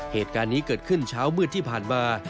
เหตุการณ์นี้เกิดขึ้นเช้ามืดที่ผ่านมา